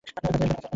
কাছে আসবে না।